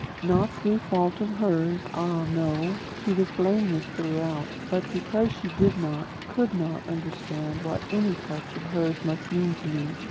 Not through fault of hers, ah, no; she was blameless throughout; but because she did not, could not, understand what any touch of hers must mean to me.